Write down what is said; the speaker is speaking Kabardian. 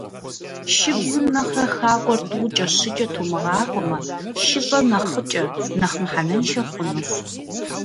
Шыбзым нэхърэ хакӏуэр тӏукӏэ-щыкӏэ тумыгъакӏуэмэ, шыщӏэр нэхъыкӏэ, нэхъ мыхьэнэншэ хъунущ.